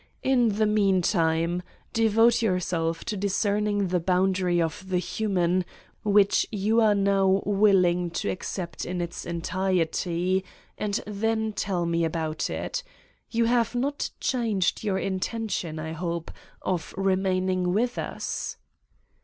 In the meantime, devote yourself to discerning the bowidary of the human, which you are now willing to accept in its entirety, 155 Satan's Diary and then tell me about it. You have not changed your intention, I hope, of remaining with us?"